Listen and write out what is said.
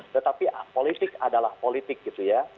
tetapi politik adalah politik gitu ya